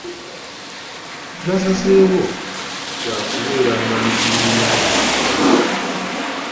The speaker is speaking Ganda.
Nnasazeewo kya kubeeranga mu kibiina nga nsoma.